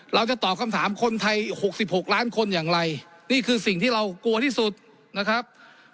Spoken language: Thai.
เราจะตอบคำถามคนไทย๖๖ล้านคนอย่างไรนี่คือสิ่งที่เรากลัวที่สุดนะครับ